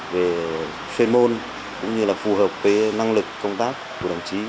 về chuyên môn cũng như là phù hợp với năng lực công tác của đồng chí